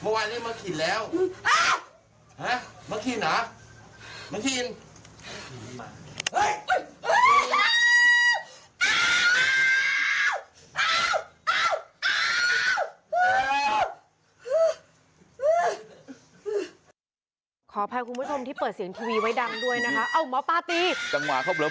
หมุนเวียนเต็มไปหมดเลย